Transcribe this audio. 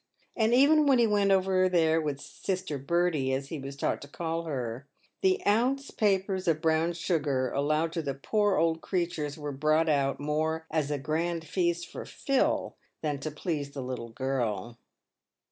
And even when he went over there with " sister Bertie," as he was taught to call her, the ounce papers of brown sugar allowed to the poor old creatures were brought out more as a grand feast for " Phil" than to please the little girl.